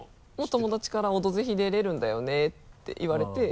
友達から「オドぜひ出れるんだよね」って言われて。